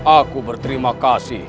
aku berterima kasih